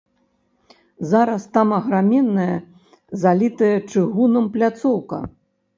Зараз там аграменная залітая чыгунам пляцоўка.